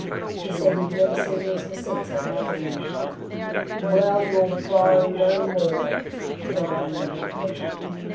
He said you'd never see these receipts I gave him." "Well, you'll borrow no more," Donald Cameron breathed.